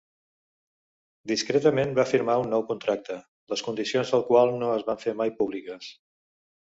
Discretament va firmar un nou contracte, les condicions del qual no es van fer mai públiques.